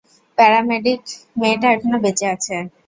Paramedic মেয়েটা এখনো বেঁচে আছে।